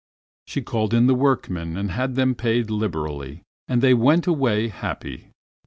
She called in the workmen and had them paid liberally, and they went away happy.